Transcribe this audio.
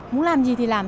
muốn làm gì thì làm